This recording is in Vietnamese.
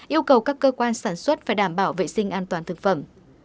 yêu cầu các cơ quan sản xuất phải đảm bảo vệ sinh an toàn thực phẩm